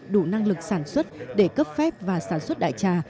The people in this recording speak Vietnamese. đủ năng lực sản xuất để cấp phép và sản xuất đại trà